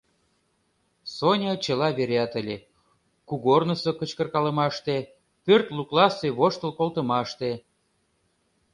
Соня чыла вереат ыле: кугорнысо кычкыркалымаште, пӧрт лукласе воштыл колтымаште.